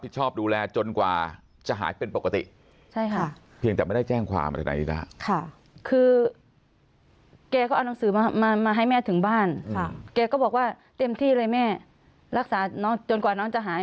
เจ็บที่เลยแม่รักษาน้องจนกว่าน้องจะหาย